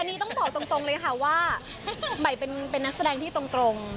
อันนี้ต้องบอกตรงเลยค่ะว่าใหม่เป็นนักแสดงที่ตรง